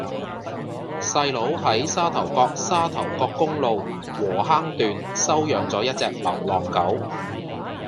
細佬喺沙頭角沙頭角公路禾坑段收養左一隻流浪狗